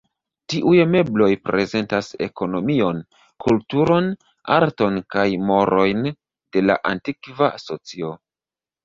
Tiuj mebloj prezentas ekonomion, kulturon, arton kaj morojn de la antikva socio.